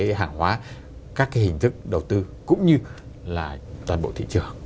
để hạng hóa các cái hình thức đầu tư cũng như là toàn bộ thị trường